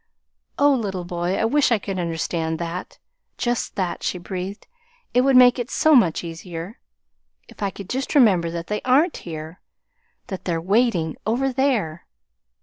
"Oh, little boy, I wish I could understand that just that," she breathed. "It would make it so much easier if I could just remember that they aren't here that they're WAITING over there!"